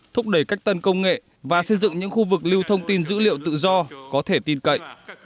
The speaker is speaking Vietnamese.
thúc đẩy cách tân công nghệ và xây dựng những khu vực lưu thông tin dữ liệu tự do có thể tin cậy